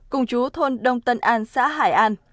cùng chú thôn đông tân an xã hải an